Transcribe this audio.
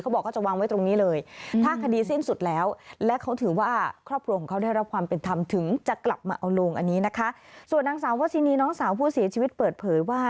เขาบอกว่าเขาจะวางไว้ตรงนี้เลย